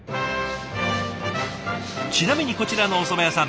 ちなみにこちらのおそば屋さん